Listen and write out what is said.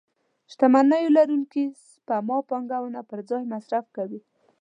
شتمنيو لرونکي سپما پانګونه پر ځای مصرف کوي.